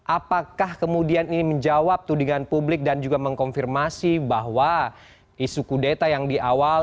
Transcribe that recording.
apakah kemudian ini menjawab tudingan publik dan juga mengkonfirmasi bahwa isu kudeta yang di awal